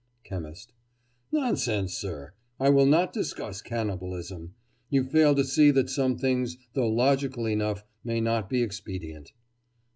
CHEMIST: Nonsense, sir! I will not discuss cannibalism. You fail to see that some things, though logical enough, may not be expedient.